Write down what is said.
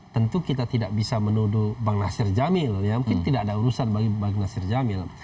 tentu kita tidak bisa menuduh bang nasir jamil ya mungkin tidak ada urusan bagi bang nasir jamil